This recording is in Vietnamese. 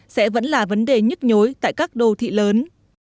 sẽ vẫn là vấn đề nhất nhối tại các đồ thị lớn